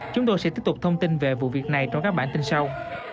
chúng tôi sẽ tiếp tục thông tin về vụ việc này trong các bản tin sau